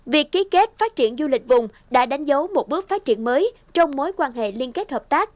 việc ký kết phát triển du lịch vùng đã đánh dấu một bước phát triển mới trong mối quan hệ liên kết hợp tác